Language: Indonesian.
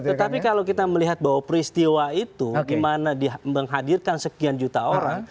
tetapi kalau kita melihat bahwa peristiwa itu gimana menghadirkan sekian juta orang